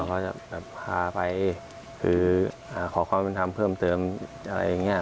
เขาก็จะพาไปคือขอความผิดทำเพิ่มเติมอะไรอย่างนี้